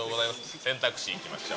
選択肢いきましょう。